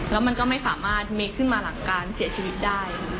แล้วมันก็ไม่สามารถเมะขึ้นมาหลังการเสียชีวิตได้